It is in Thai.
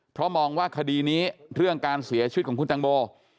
เพราะมองว่าคดีนี้เรื่องการเสียชีวิตของคุณตังโม